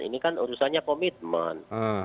ini kan urusannya komitmen